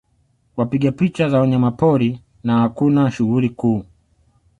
Wapiga picha za wanyamapori na hakuna shughuli kuu